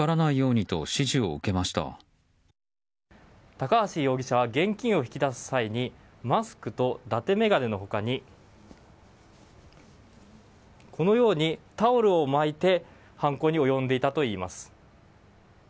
高橋容疑者は現金を引き出す際にマスクとだて眼鏡の他にこのようにタオルを巻いて犯行に及んでいたといいます。